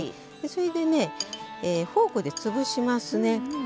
それでね、フォークで潰しますね。